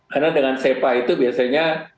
karena dengan sepa itu biasanya